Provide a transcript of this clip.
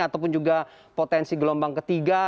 ataupun juga potensi gelombang ketiga